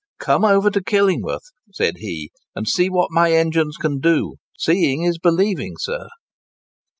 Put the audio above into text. "Come over to Killingworth," said he, "and see what my engines can do; seeing is believing, sir."